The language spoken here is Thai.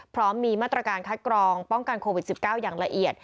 พร้อมมีมาตรการคัดกรองป้องกันโควิด๑๙อย่างละเอียด